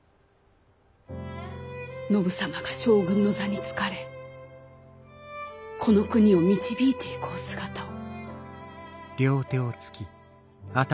信様が将軍の座に就かれこの国を導いていくお姿を。